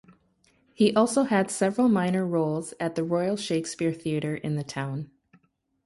He also had several minor roles at the Royal Shakespeare Theatre in the town.